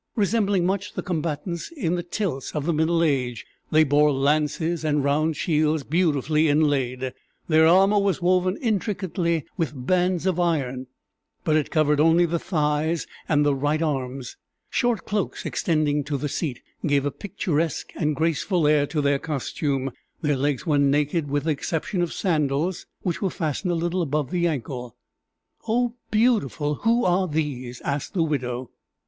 Resembling much the combatants in the tilts of the middle age, they bore lances and round shields beautifully inlaid; their armor was woven intricately with bands of iron, but it covered only the thighs and the right arms; short cloaks extending to the seat gave a picturesque and graceful air to their costume; their legs were naked with the exception of sandals, which were fastened a little above the ankle. "Oh, beautiful! Who are these?" asked the widow.